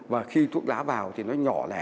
và khi thuốc lá vào thì nó nhỏ lẻ